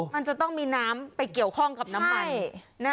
มันจะต้องมีน้ำไปเกี่ยวข้องกับน้ำมัน